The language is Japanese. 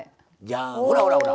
ほらほらほら。